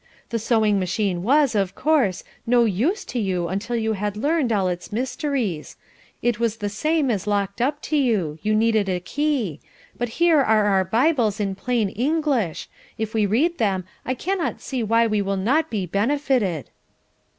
The sewing machine was, of course, no use to you until you had learned all its mysteries, it was the same as locked up to you, you needed a key, but here are our Bibles in plain English; if we read them I cannot see why we will not be benefited."